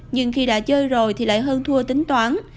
nhưng khi đã chơi rồi thì lại hơn thua tính toán